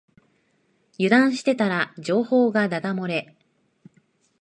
油断してたら情報がだだ漏れ